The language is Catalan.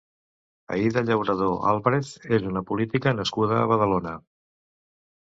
Aïda Llauradó Álvarez és una política nascuda a Badalona.